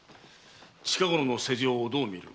近ごろの世情をどう見る？